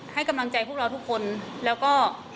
ให้กำลังใจพวกเราทุกคนแล้วก็